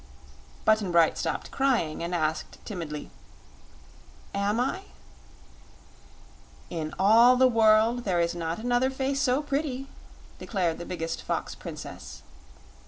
Button Bright stopped crying and asked timidly: "Am I?" "In all the world there is not another face so pretty," declared the biggest fox princess.